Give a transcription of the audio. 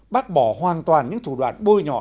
bác bỏ hoàn toàn những thủ đoạn bôi nhọ